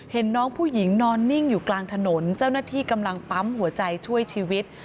เห็นน้องผู้หญิงนอนนิ่งอยู่กลางถนนเจ้าหน้าที่กำลังปั๊มหัวใจช่วยชีวิต